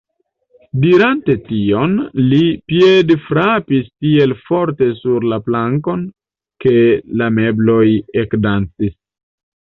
Dirante tion, li piedfrapis tiel forte sur la plankon, ke la mebloj ekdancis.